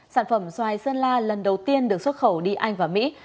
sản phẩm xoài sơn la lần đầu tiên được xuất khẩu đi anh và mỹ